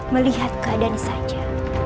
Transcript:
melihat keadaan saja